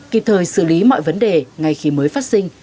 kịp thời xử lý mọi vấn đề ngay khi mới phát sinh